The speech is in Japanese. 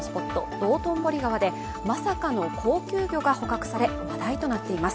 道頓堀川でまさかの高級魚が捕獲され話題となっています。